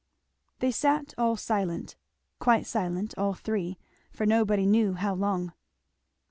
They sat all silent, quite silent, all three, for nobody knew how long.